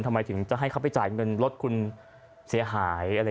ทำไมถึงจะให้เขาไปจ่ายเงินรถคุณเสียหายอะไร